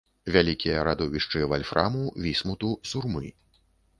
Вялікія радовішчы вальфраму, вісмуту, сурмы.